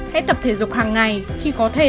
một mươi một hãy tập thể dục hằng ngày khi có thể